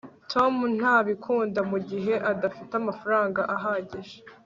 tom ntabikunda mugihe adafite amafaranga ahagije